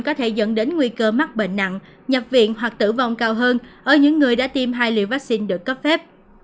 có thể dẫn đến nguy cơ mắc bệnh nặng nhập viện hoặc tử vong cao hơn ở những người đã tiêm hai liều vaccine được cấp phép